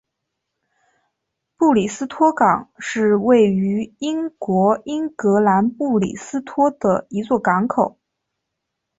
布里斯托港是位于英国英格兰布里斯托的一座港口。